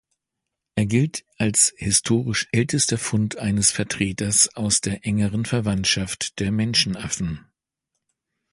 Er gilt als historisch ältester Fund eines Vertreters aus der engeren Verwandtschaft der Menschenaffen.